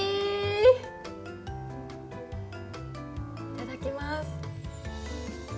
いただきます。